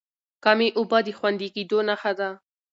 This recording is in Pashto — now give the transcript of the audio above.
کمې اوبه د خوندي کېدو نښه ده.